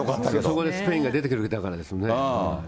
そこでスペインが出てくるわけですからね。